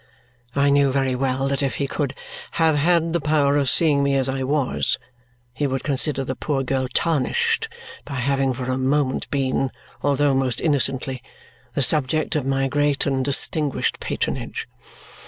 I knew very well that if he could have had the power of seeing me as I was, he would consider the poor girl tarnished by having for a moment been, although most innocently, the subject of my great and distinguished patronage.